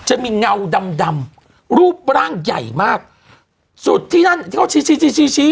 เงาดำดำรูปร่างใหญ่มากสุดที่นั่นที่เขาชี้ชี้ชี้